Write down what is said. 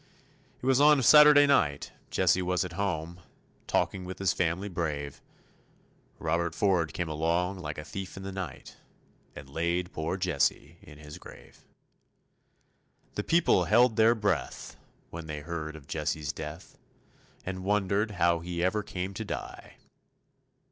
It was on Saturday night, Jesse was at home Talking with his family brave, Robert Ford came along like a thief in the night And laid poor Jesse in his grave. The people held their breath when they heard of Jesse's death, And wondered how he ever came to die.